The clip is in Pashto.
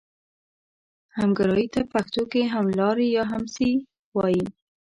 همګرایي ته پښتو کې هملاري یا همهڅي وايي.